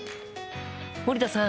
森田さん